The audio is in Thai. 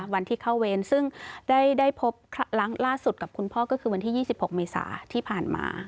วันที่เข้าเวรซึ่งได้พบครั้งล่าสุดกับคุณพ่อก็คือวันที่๒๖เมษาที่ผ่านมา